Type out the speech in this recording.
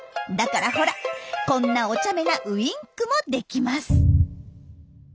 だからほらこんなお茶目なウインクもできます。